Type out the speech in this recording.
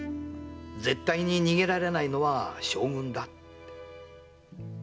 絶対に逃げられないのは将軍だ。